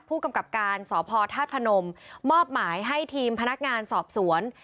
ผู้กำกับการสพธาตุพนมมอบหมายให้ทีมพนักงานสอบสวน